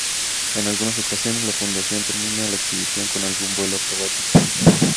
En algunas ocasiones la fundación termina la exhibición con algún vuelo acrobático.